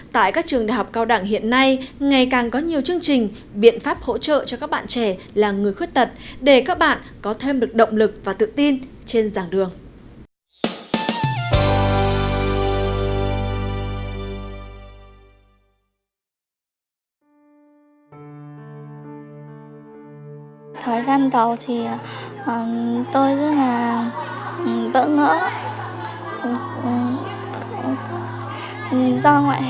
tại các trường đại học cao đẳng hiện nay ngày càng có nhiều chương trình biện pháp hỗ trợ cho các bạn trẻ là người khuyết tật để các bạn có thêm được động lực và tự tin trên dàng đường